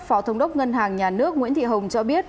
phó thống đốc ngân hàng nhà nước nguyễn thị hồng cho biết